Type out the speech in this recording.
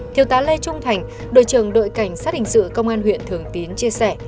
thiếu tá lê trung thành đội trưởng đội cảnh sát hình sự công an huyện thường tín chia sẻ